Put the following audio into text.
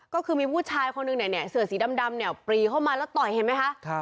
ก็คือมีบุ๊ชชายเป็นคนหนึ่งเนี่ยสื่อสีดำปรีเข้ามาแล้วต่อยเห็นมั้ยคะ